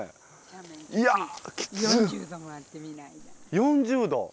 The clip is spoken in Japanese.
４０度。